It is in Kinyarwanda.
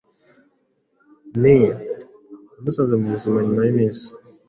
Neer yamusanze mubuzima-nyuma yiminsi